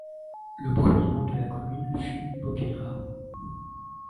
Le premier nom de la commune fut Boqueirão.